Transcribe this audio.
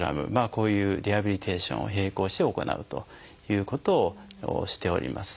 こういうリハビリテーションを並行して行うということをしております。